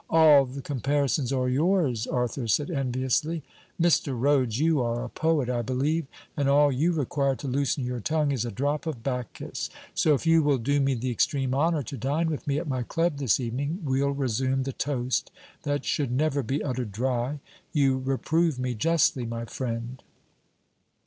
'All the comparisons are yours,' Arthur said enviously. 'Mr. Rhodes, you are a poet, I believe, and all you require to loosen your tongue is a drop of Bacchus, so if you will do me the extreme honour to dine with me at my Club this evening, we'll resume the toast that should never be uttered dry. You reprove me justly, my friend.'